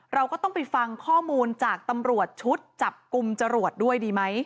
เราก็ต้องไปฟังข้อมูลจากตำรวจชุดจับกลุ่มจรวดด้วยดีไหม